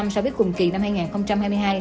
so với cùng kỳ năm hai nghìn hai mươi hai